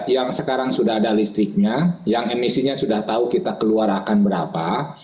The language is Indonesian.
yang sekarang sudah ada listriknya yang emisinya sudah tahu kita keluar akan berapa